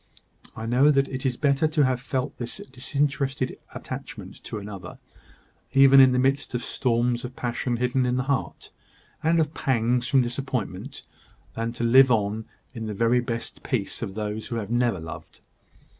I know that it is better to have felt this disinterested attachment to another, even in the midst of storms of passion hidden in the heart, and of pangs from disappointment, than to live on in the very best peace of those who have never loved.